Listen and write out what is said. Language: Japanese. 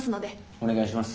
お願いします。